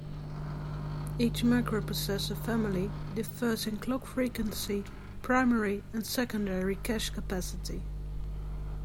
Each microprocessor family differs in clock frequency, primary and secondary cache capacity.